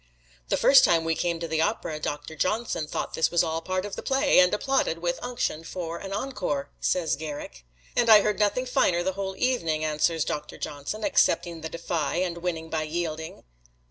"The first time we came to the opera Doctor Johnson thought this was all a part of the play, and applauded with unction for an encore," says Garrick. "And I heard nothing finer the whole evening," answers Doctor Johnson, accepting the defi, and winning by yielding.